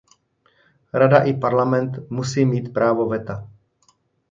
Rada i Parlament musí mít právo veta.